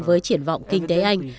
với triển vọng kinh tế anh